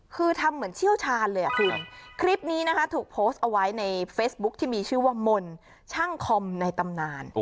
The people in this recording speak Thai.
คือทำเหมือนเชี่ยวชาญเลยอ่ะคุณคลิปนี้นะคะถูกโพสต์เอาไว้ในเฟซบุ๊คที่มีชื่อว่ามนต์ช่างคอมในตำนาน